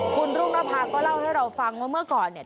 คุณรุ่งนภาก็เล่าให้เราฟังว่าเมื่อก่อนเนี่ย